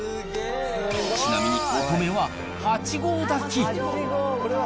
ちなみにお米は８合炊き。